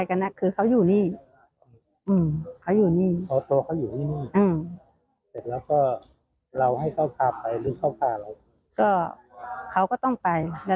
ขนาดนี้มีสายบ้านเพียงพร้อมกระเภนลองฟัง